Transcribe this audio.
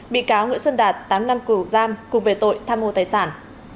bị cáo nguyễn xuân đạt tám năm cử giam cùng về tội tham hồ tài sản